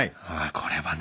これはね